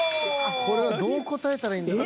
これはどう答えたらいいんだろ？